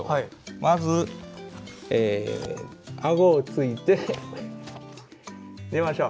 まず、あごをついて寝ましょう。